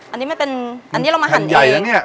อันนี้เรามาหั่นใหญ่นะเนี่ย